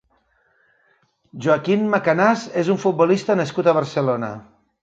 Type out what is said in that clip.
Joaquín Macanás és un futbolista nascut a Barcelona.